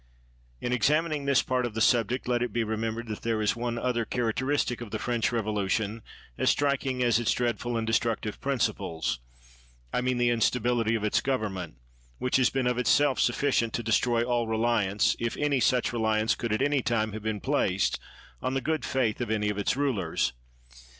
In examining this part of the subject let it be remembered that there is one other charac teristic of the French Revolution as striking as its dreadful and destructive principles: I mean the instability of its government, which has been of itself sufficient to destroy all reliance, if any such reliance could at any time have been placed on the good faith of any of its rulers.